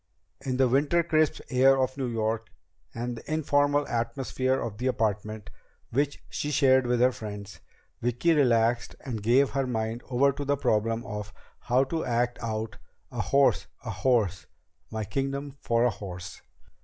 In the winter crisp air of New York, and the informal atmosphere of the apartment which she shared with her friends, Vicki relaxed and gave her mind over to the problem of how to act out "A horse a horse my kingdom for a horse!"